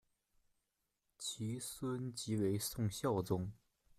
其孙即为宋孝宗。